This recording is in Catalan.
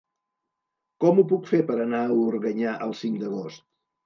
Com ho puc fer per anar a Organyà el cinc d'agost?